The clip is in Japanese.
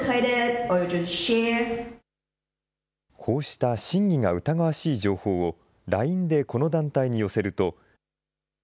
こうした真偽が疑わしい情報をＬＩＮＥでこの団体に寄せると。